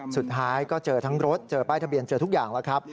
สุดท้ายก็เจอทั้งรถเจอป้ายทะเบียนเจอทุกอย่างแล้วครับ